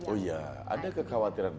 oh ya ada kekhawatiran